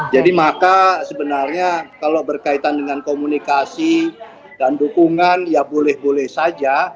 jadi maka sebenarnya kalau berkaitan dengan komunikasi dan dukungan ya boleh boleh saja